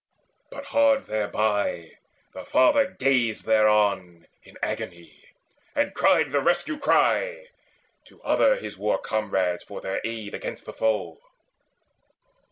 But hard thereby the father gazed thereon In agony, and cried the rescue cry To other his war comrades for their aid Against the foe.